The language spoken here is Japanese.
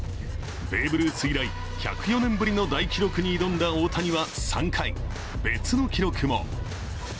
ベーブ・ルース以来１０４年ぶりの大記録に挑んだ大谷は３回、別の記録も。